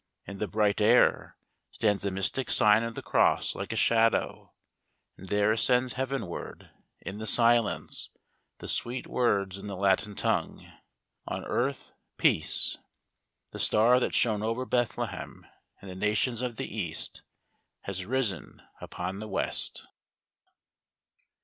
In the bright air stands the mystic sign of the cross like a shadow, and there ascends heavenward in the silence the sweet words, in the Latin tongue, " On earth, peacel' The star that shone over Bethlehem and the nations of the East, has risen upon the West.